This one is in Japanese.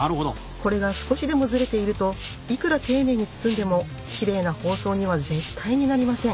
これが少しでもズレているといくら丁寧に包んでもキレイな包装には絶対になりません！